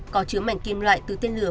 có chứa mảnh kim loại từ tên lửa